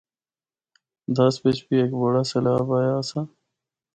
دس بچ بھی ہک بڑا سیلاب آیا آسا۔